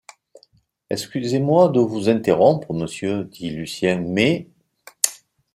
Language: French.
Excusez-moi de vous interrompre, monsieur, dit Lucien ; mais…